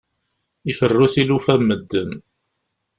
Iferru tilufa n medden.